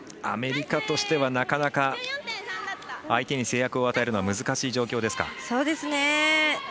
アメリカとしてはなかなか相手に制約を与えるのは難しい状況ですか？